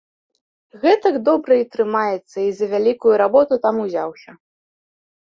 Гэтак добра і трымаецца і за вялікую работу там узяўся.